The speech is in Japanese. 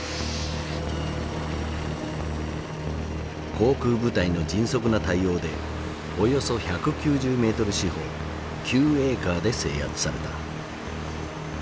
航空部隊の迅速な対応でおよそ１９０メートル四方９エーカーで制圧された。